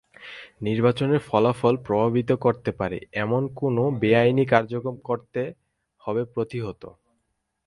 নির্বাচনের ফলাফল প্রভাবিত করতে পারে—এমন যেকোনো বেআইনি কার্যক্রম করতে হবে প্রতিহত।